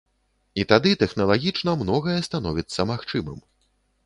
І тады тэхналагічна многае становіцца магчымым.